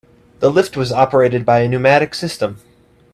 The lift was operated by a pneumatic system.